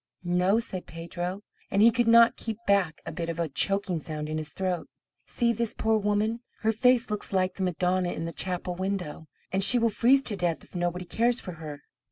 "No," said Pedro, and he could not keep back a bit of a choking sound in his throat. "See this poor woman. Her face looks like the Madonna in the chapel window, and she will freeze to death if nobody cares for her.